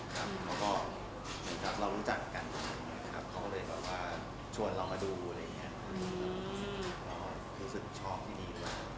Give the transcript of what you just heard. แล้วก็เรารู้จักกันกันเลยครับเขาเลยแบบว่าชวนเรามาดูอะไรอย่างนี้